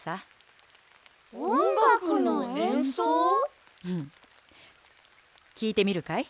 うんきいてみるかい？